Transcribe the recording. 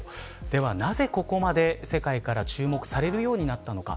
ではなぜここまで世界から注目されるようになったのか。